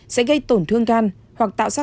sẽ gây tổn thương gan hoặc tạo ra